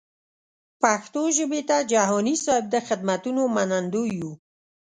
پښتو ژبې ته جهاني صېب د خدمتونو منندوی یو.